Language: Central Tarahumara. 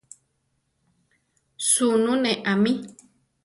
Suunú ne amí.